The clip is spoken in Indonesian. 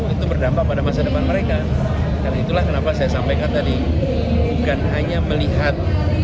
itu berdampak pada masa depan mereka dan itulah kenapa saya sampaikan tadi bukan hanya melihat